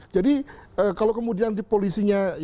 jadi kalau kemudian polisinya